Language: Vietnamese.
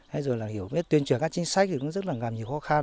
hay rồi là hiểu biết tuyên truyền các chính sách thì cũng rất là ngàm nhiều khó khăn